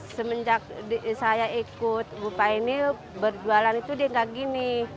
semenjak saya ikut ibu pak ini berjualan itu dia gak gini